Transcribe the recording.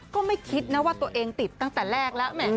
ก็ไม่คิดนะว่าตัวเองติดตั้งแต่แรกแล้ว